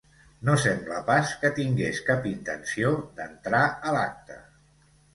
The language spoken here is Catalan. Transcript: No sembla pas que tingués cap intenció d'entrar a l'acte.